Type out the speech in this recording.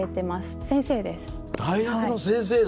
大学の先生だ。